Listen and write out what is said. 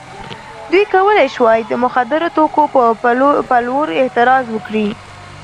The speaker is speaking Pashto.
دوی کولای شوای د مخدره توکو په پلور اعتراض وکړي.